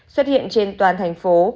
xuất hiện trên toàn thành phố